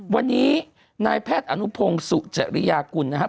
วันนี้นายแพทย์อนุพงศ์สุจริยากุลนะครับ